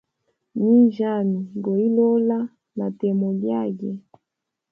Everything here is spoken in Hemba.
Nyinjyami goilola na temo lyage.